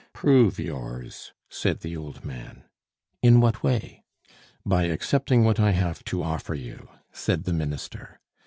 "Prove yours " said the old man. "In what way?" "By accepting what I have to offer you," said the Minister.